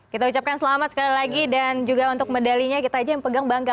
kita ucapkan selamat sekali lagi dan juga untuk medalinya kita aja yang pegang bangga